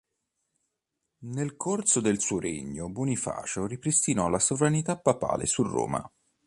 Nel corso del suo regno Bonifacio ripristinò la sovranità papale su Roma.